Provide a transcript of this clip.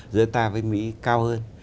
giữa ta với mỹ cao hơn